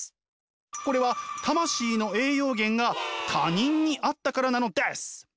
これは魂の栄養源が他人にあったからなのです。